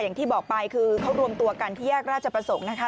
อย่างที่บอกไปคือเขารวมตัวกันที่แยกราชประสงค์นะคะ